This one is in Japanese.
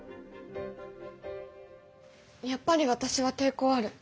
やっぱり私は抵抗ある。